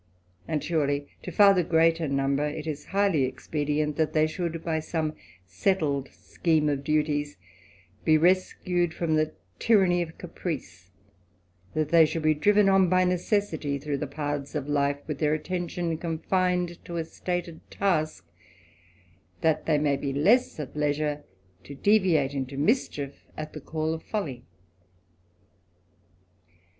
And, surely, to &r the greater number it is highly expedient, that Ui TtlE ADVENTURER. they should by some settled scheme of duties be res< from the tyranny of caprice, that they should be driver by necessity through the paths of life with their atter confined to a stated task, that they may be less at lei to deviate into mischief at the call of folly.